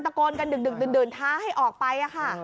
ตะโกนกันดึกดื่นท้าให้ออกไปค่ะ